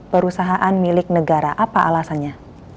perusahaan milik negara apa alasannya